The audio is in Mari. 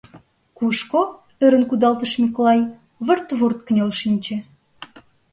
Кушко? — ӧрын кудалтыш Миклай, вырт-вурт кынел шинче.